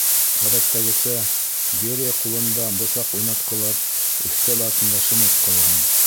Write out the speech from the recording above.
Ғәҙәттәгесә, Берия ҡулында бысаҡ уйнатҡылап, өҫтәл артында шымып ҡалған.